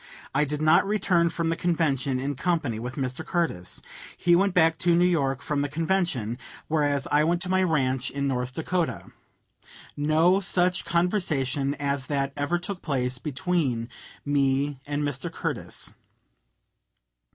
I did not return from the convention in company with Mr. Curtis. He went back to New York from the convention, whereas I went to my ranch in North Dakota. No such conversation as that ever took place between me and Mr. Curtis.